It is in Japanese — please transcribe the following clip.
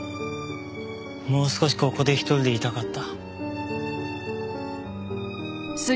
もう少しここで１人でいたかった。